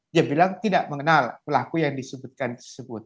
dia bilang tidak mengenal pelaku yang disebutkan tersebut